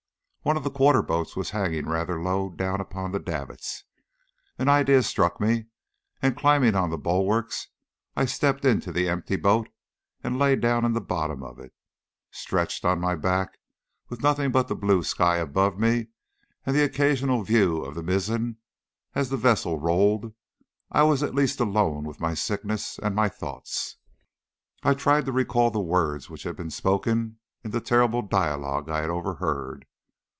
One of the quarter boats was hanging rather low down upon the davits. An idea struck me, and climbing on the bulwarks, I stepped into the empty boat and lay down in the bottom of it. Stretched on my back, with nothing but the blue sky above me, and an occasional view of the mizen as the vessel rolled, I was at least alone with my sickness and my thoughts. I tried to recall the words which had been spoken in the terrible dialogue I had overheard.